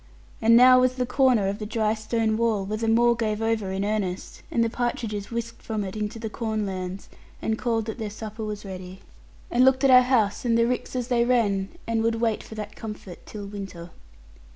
And now was the corner of the dry stone wall, where the moor gave over in earnest, and the partridges whisked from it into the corn lands, and called that their supper was ready, and looked at our house and the ricks as they ran, and would wait for that comfort till winter.